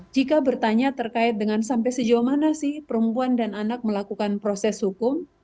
jika bertanya terkait dengan sampai sejauh mana sih perempuan dan anak melakukan proses hukum